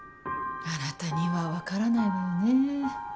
あなたにはわからないわよね。